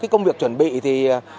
công việc chuẩn bị thì